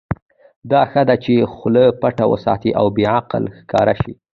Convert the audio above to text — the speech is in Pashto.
دا ښه ده چې خوله پټه وساتې او بې عقل ښکاره شې.